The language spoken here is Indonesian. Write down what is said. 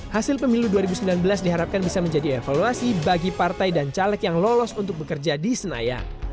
hasil pemilu dua ribu sembilan belas diharapkan bisa menjadi evaluasi bagi partai dan caleg yang lolos untuk bekerja di senayan